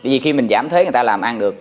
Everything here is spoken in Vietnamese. vì khi mình giảm thế người ta làm ăn được